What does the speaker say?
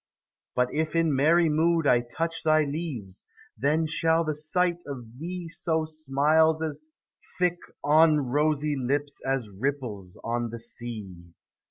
But if in merry mood I touch Thy leaves, then shall the sight of thee Sow smiles as thick on rosy lips As ripples on the sea.